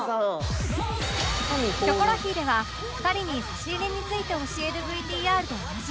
『キョコロヒー』では２人に差し入れについて教える ＶＴＲ でおなじみ